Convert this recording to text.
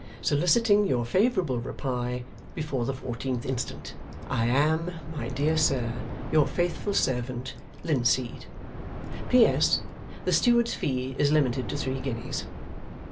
Soliciting your favourable reply before the 14th instant, I am, My Dear Sir, Your faithful Servant, LINSEED. P.S. The Steward's fee is limited to three Guineas.